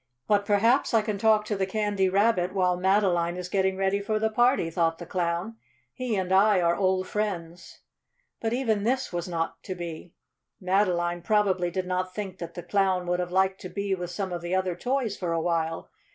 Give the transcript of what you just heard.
"But perhaps I can talk to the Candy Rabbit while Madeline is getting ready for the party," thought the Clown. "He and I are old friends." But even this was not to be. Madeline probably did not think that the Clown would have liked to be with some of the other toys for a while.